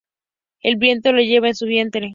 El Viento lo lleva en su vientre.